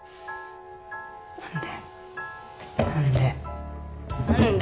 何で何で？